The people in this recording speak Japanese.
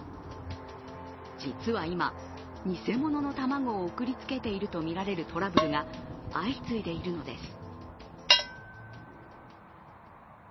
実は今、偽物の卵を送りつけているとみられるトラブルが相次いでいるのです。